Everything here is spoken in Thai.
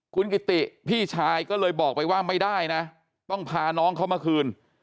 คุณกิติพี่ชายก็เลยบอกไปว่าไม่ได้นะต้องพาน้องเขามาคืน